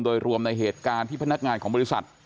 โดยรวมในเหตุการณ์ที่พนักงานของบริษัท